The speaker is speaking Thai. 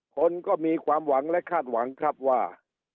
คนก็มีความหวังและคาดหวังครับว่า